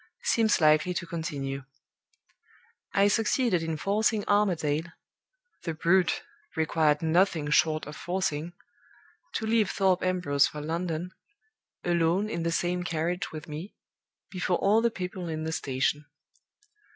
seems likely to continue. I succeeded in forcing Armadale the brute required nothing short of forcing! to leave Thorpe Ambrose for London, alone in the same carriage with me, before all the people in the station.